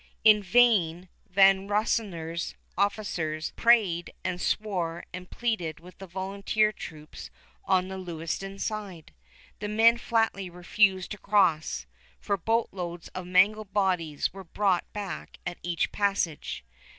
In vain Van Rensselaer's officers prayed and swore and pleaded with the volunteer troops on the Lewiston side. The men flatly refused to cross; for boat loads of mangled bodies were brought back at each passage.